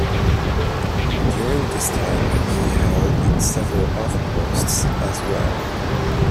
During this time he held several other posts as well.